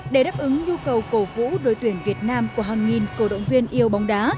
để đáp ứng nhu cầu cổ vũ đội tuyển việt nam của hàng nghìn cổ động viên yêu bóng đá